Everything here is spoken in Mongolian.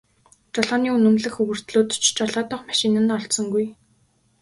Жолооны үнэмлэх өвөртлөөд ч жолоодох машин нь олдсонгүй.